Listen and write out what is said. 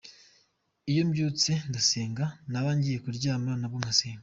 Iyo mbyutse ndasenga, naba ngiye kuryama nabwo ngasenga.